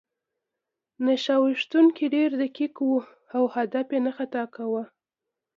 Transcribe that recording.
نښه ویشتونکی ډېر دقیق و او هدف یې نه خطا کاوه